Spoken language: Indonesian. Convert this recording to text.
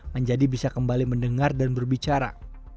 menjadi bisa kembali mendengar dan berbicara